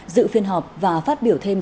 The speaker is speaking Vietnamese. dự phiên họp và phát biểu thêm